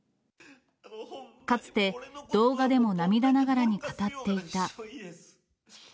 かつて動画でも涙ながらに語っていた。